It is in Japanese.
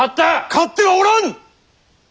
勝ってはおらん！